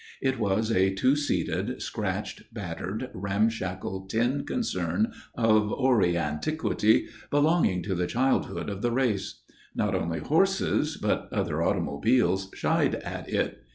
It was a two seated, scratched, battered, ramshackle tin concern of hoary antiquity, belonging to the childhood of the race. Not only horses, but other automobiles shied at it.